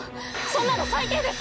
そんなの最低です！